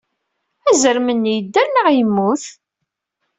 Azrem-nni yedder neɣ yemmut?